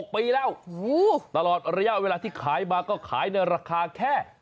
ปีแล้วตลอดระยะเวลาที่ขายมาก็ขายในราคาแค่